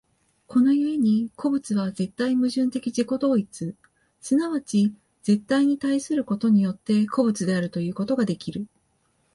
この故に個物は絶対矛盾的自己同一、即ち絶対に対することによって、個物であるということができる。